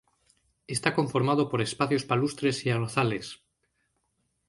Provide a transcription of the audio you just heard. Está conformado por espacios palustres y arrozales.